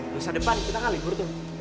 nusa depan kita kali buru tuh